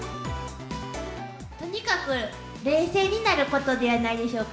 とにかく、冷静になることではないでしょうか。